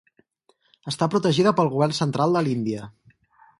Està protegida pel govern central de l'Índia.